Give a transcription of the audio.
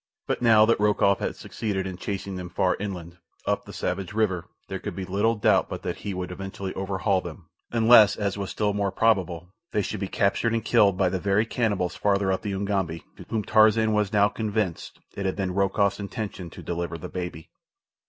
But now that Rokoff had succeeded in chasing them far inland, up the savage river, there could be little doubt but that he would eventually overhaul them, unless, as was still more probable, they should be captured and killed by the very cannibals farther up the Ugambi, to whom, Tarzan was now convinced, it had been Rokoff's intention to deliver the baby.